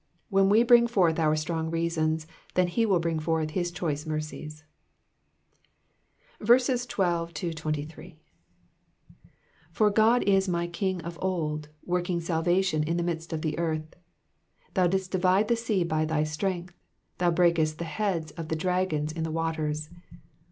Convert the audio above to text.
When we bring forth our strong reasons, then will he bring forth his choice mercies. 12 For God is my King of old, working salvation in the midst of the earth. 13 Thou didst divide the sea by thy strength : thou brakest the heads of the dragons in the waters.